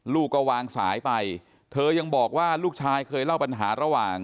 ลูกก็วางสายไปเธอยังบอกว่าลูกชายเคยเล่าปัญหาระหว่าง